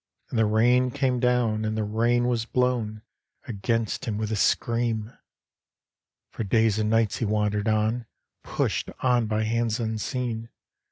And the rain came down, and the rain was blown Against him with a scream. For days and nights he wandered on, Pushed on by hands unseen.